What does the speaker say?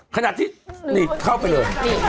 ขนาดที่นี่เข้าไปเลย